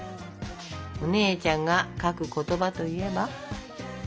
お姉ちゃんが書く言葉といえば？